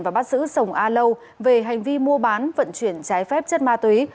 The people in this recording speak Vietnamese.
và bắt giữ sông a lâu về hành vi mua bán vận chuyển trái phép chất ma túy